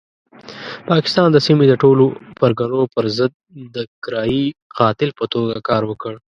پاکستان د سیمې د ټولو پرګنو پرضد د کرایي قاتل په توګه کار وکړ.